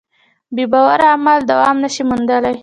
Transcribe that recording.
بېباوره عمل دوام نهشي موندلی.